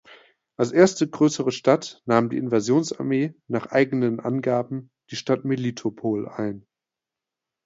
Als erste größere Stadt nahm die Invasionsarmee nach eigenen Angaben die Stadt Melitopol ein.